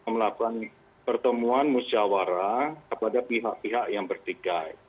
melakukan pertemuan musyawarah kepada pihak pihak yang bertikai